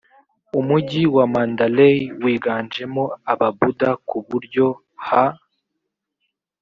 umugi wa mandalay wiganjemo ababuda ku buryo ha